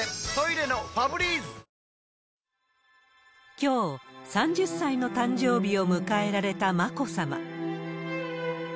きょう、３０歳の誕生日を迎えられた眞子さま。